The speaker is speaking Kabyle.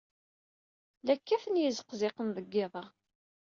La kkaten yizeqziqen deg yiḍ-a.